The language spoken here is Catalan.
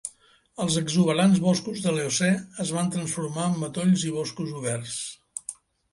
Els exuberants boscos de l'Eocè es van transformar en matolls i boscos oberts.